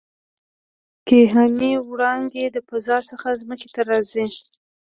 کیهاني وړانګې د فضا څخه ځمکې ته راځي.